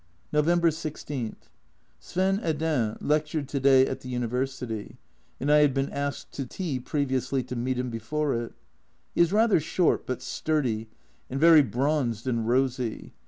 November 16. Sven Hedin lectured to day at the University, and I had been asked to tea previously to meet him before it. He is rather short, but sturdy, and very bronzed and rosy.